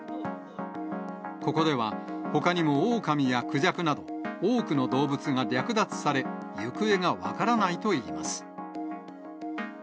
ここでは、ほかにもオオカミやクジャクなど、多くの動物が略奪され、行方が分からないといいます。